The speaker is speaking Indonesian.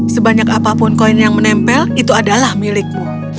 sebanyak apapun koin yang menempel itu adalah milikmu